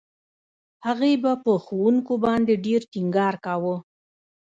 هغې به په ښوونکو باندې ډېر ټينګار کاوه.